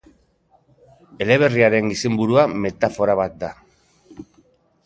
Eleberriaren izenburua metafora bat da.